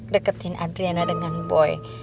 deketin adriana dengan boy